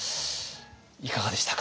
いかがでしたか？